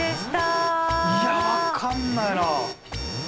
いや分かんないな。